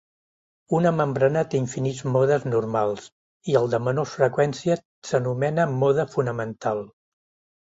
Una membrana té infinits modes normals i el de menor freqüència s'anomena mode fonamental.